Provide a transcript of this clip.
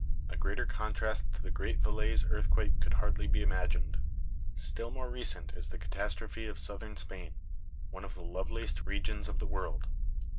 A greater contrast to the great Valais earthquake could hardly be imagined. Still more recent is the catastrophe of Southern Spain, one of the loveliest regions in the world.